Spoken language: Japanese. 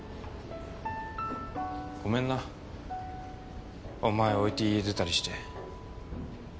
ごめんなお前を置いて家出たりして。